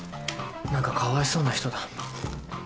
何かかわいそうな人だ。